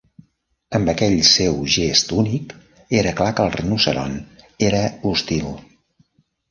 Amb aquell seu gest únic, era clar que el rinoceront era hostil.